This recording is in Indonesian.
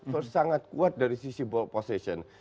first sangat kuat dari sisi ball position